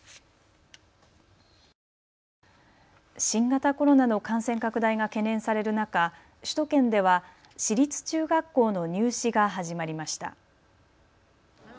新型コロナの感染拡大が懸念される中、首都圏では私立中学校の入試が始まりました。